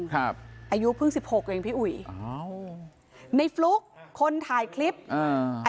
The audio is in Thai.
ครับอายุเพิ่งสิบหกกันเองพี่อุ๋ยอ้าวในฟลุกคนถ่ายคลิปอ่า